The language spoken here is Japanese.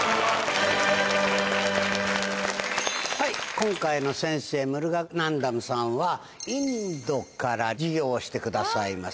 今回の先生ムルガナンダムさんはインドから授業をしてくださいます。